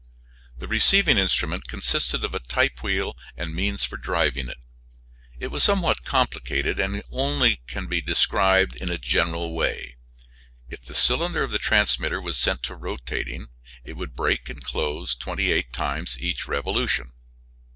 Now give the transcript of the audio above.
The receiving instrument consisted of a type wheel and means for driving it. It was somewhat complicated, and can only be described in a general way. If the cylinder of the transmitter was set to rotating it would break and close twenty eight times each revolution.